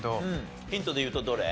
ヒントでいうとどれ？